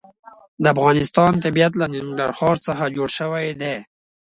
د افغانستان طبیعت له ننګرهار څخه جوړ شوی دی.